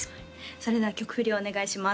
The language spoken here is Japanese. それでは曲振りをお願いします